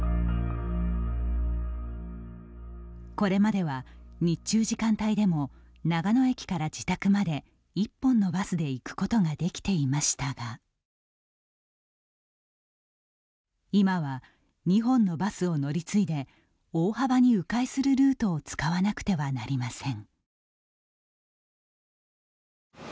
これまでは、日中時間帯でも長野駅から自宅まで１本のバスで行くことができていましたが今は、２本のバスを乗り継いで大幅にう回するルートを使わなくてはなりません。